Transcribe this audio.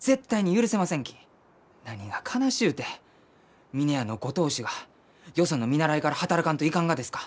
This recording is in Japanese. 何が悲しゅうて峰屋のご当主がよその見習いから働かんといかんがですか？